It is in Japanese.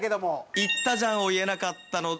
「言ったじゃん！」を言えなかったのだけが心残りです。